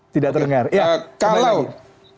tidak terdengar ya kembali